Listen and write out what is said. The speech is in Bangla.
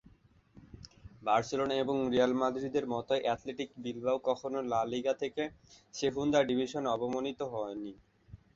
বার্সেলোনা এবং রিয়াল মাদ্রিদের মতোই অ্যাথলেটিক বিলবাও কখনও লা লিগা থেকে সেহুন্দা ডিভিশনে অবনমিত হয়নি।